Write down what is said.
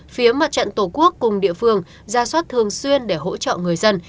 phía mặt trận tổ quốc cùng địa phương ra soát thường xuyên để hỗ trợ người dân